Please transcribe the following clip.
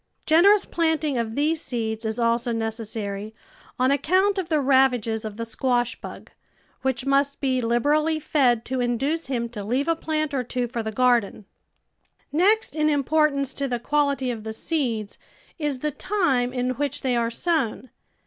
Generous planting of these seeds is also necessary on account of the rav THE VEGETABLE GARDEN ages of the squash bug, which must be hberally fed to induce him to leave a plant or two for the garden. Next in importance to the quality of the seeds is the time in which they are sov/n.